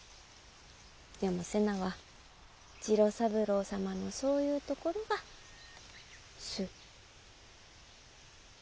でも瀬名は次郎三郎様のそういうところが好。